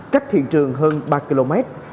cách hiện trường hơn ba km